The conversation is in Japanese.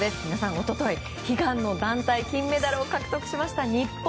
一昨日、悲願の団体金メダルを獲得した日本。